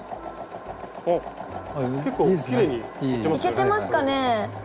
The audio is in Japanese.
いけてますかね？